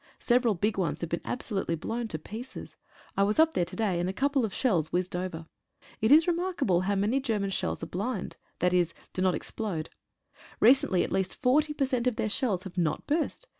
Several big ones have been absolutely blown to pieces. I was up there to day, and a couple of shells whizzed over. It is remarkable how many German shells are "blind" — i.e., do not explode. Recently at least 40 per cent of their shells have not burst.